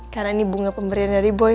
karena ini bunga pemberian dari boy